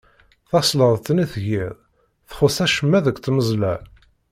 Tasleḍt-nni tgiḍ txuṣṣ acemma deg tmeẓla.